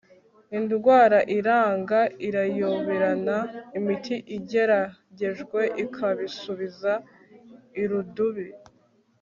indwara iranga irayoberana, imiti igeragejwe ikabisubiza irudubi